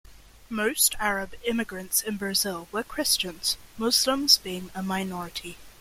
Most Arab immigrants in Brazil were Christians, Muslims being a minority.